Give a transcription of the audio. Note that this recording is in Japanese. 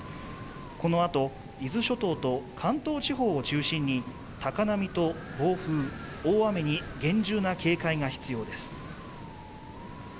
このあと、伊豆諸島と関東地方を中心に高波と暴風、大雨に厳重な警戒が必要です。